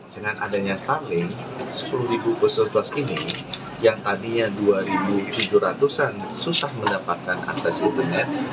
dengan adanya starling sepuluh bus surplus ini yang tadinya dua tujuh ratus an susah mendapatkan akses internet